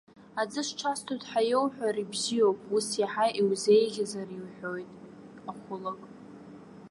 Аӡы сҽасҭоит ҳәа иоуҳәар, ибзиоуп, ус иаҳа иузеиӷьзар иҳәоит, ахәылак.